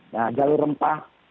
nah jalur rempah